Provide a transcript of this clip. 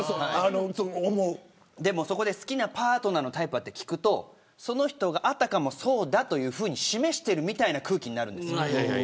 そこで好きなパートナーのタイプはって聞くとその人があたかもそうだと示してるみたいな空気になるんです。